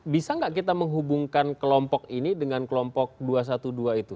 bisa nggak kita menghubungkan kelompok ini dengan kelompok dua ratus dua belas itu